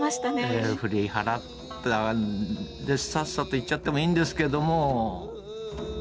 ええ振り払ったんでさっさと行っちゃってもいいんですけども。